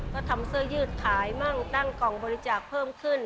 ก็ทำเสื้อยืดขายมั่งตั้งกล่องบริจาคเพิ่มขึ้น